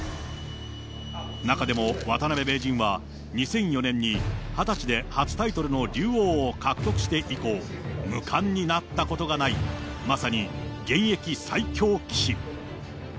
中でも渡辺名人は、２００４年に２０歳で初タイトルの竜王を獲得して以降、無冠になったことがない、まさに現役最強棋士。